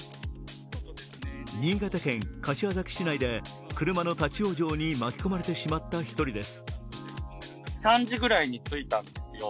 新潟県柏崎市内で車の立往生に巻き込まれてしまった１人です。